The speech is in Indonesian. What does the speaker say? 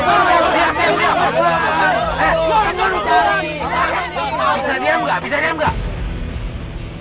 bisa diam gak bisa diam gak